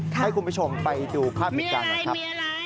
ให้คุณผู้ชมไปดูค่าผิดการณ์นะครับ